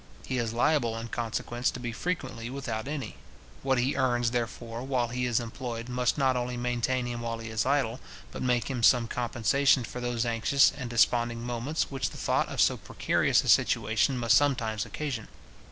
He is liable, in consequence, to be frequently without any. What he earns, therefore, while he is employed, must not only maintain him while he is idle, but make him some compensation for those anxious and desponding moments which the thought of so precarious a situation must sometimes occasion.